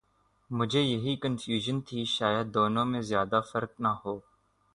مجھے یہی کنفیوژن تھی شاید دونوں میں زیادہ فرق نہ ہو۔۔